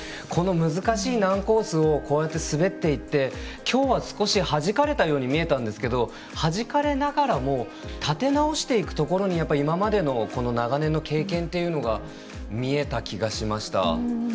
この難しい難コースをこうやって滑っていってきょうは少しはじかれたように見えたんですがはじかれながらも立て直していくところに今までの長年の経験というのが見えた気がしました。